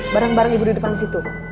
barang barang ibu di depan situ